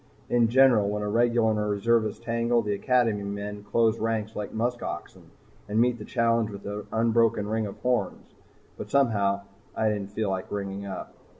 In general when a regular and reservist tangle, the Academy men close ranks like musk oxen and meet the challenge with an unbroken ring of horns. But somehow I didn't feel like ringing up.